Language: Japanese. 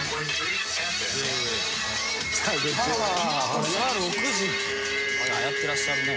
・朝６時・やってらっしゃるね。